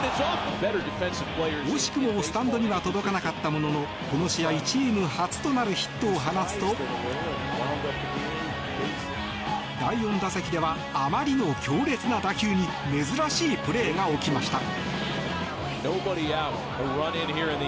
惜しくもスタンドには届かなかったもののこの試合チーム初となるヒットを放つと第４打席ではあまりの強烈な打球に珍しいプレーが起きました。